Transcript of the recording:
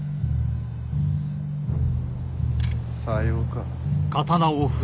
さようか。